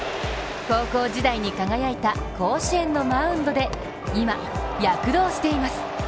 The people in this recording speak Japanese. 高校時代に輝いた甲子園のマウンドで今、躍動しています。